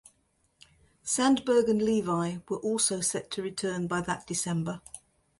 Sandberg and Levi were also set to return by that December.